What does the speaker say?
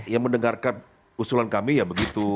yang mendengarkan usulan kami ya begitu